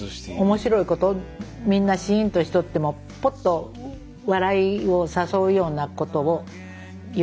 面白いことみんなシーンとしとってもポッと笑いを誘うようなことを言ってくれたりとか。